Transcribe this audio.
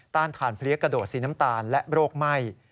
ถ่านเพลี้ยกระโดดสีน้ำตาลและโรคไหม้